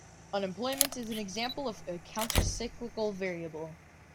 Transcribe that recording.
Unemployment is an example of a countercyclical variable.